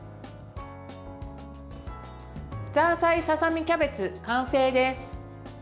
ザーサイささみキャベツ完成です。